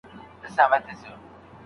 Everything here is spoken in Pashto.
املا د زده کړي برخه ده.